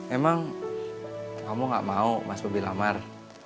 emang kamu gak mau mas bobi lamar